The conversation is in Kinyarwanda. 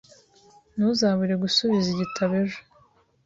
Ntuzabure gusubiza igitabo ejo.